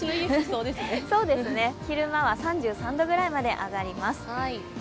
そうですね、昼間は３３度くらいまで上がります。